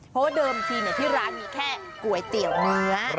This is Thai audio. เพราะว่าเดิมทีที่ร้านมีแค่ก๋วยเตี๋ยวเนื้อ